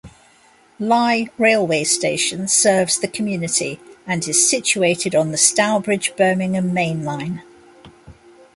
Lye railway station serves the community, and is situated on the Stourbridge-Birmingham mainline.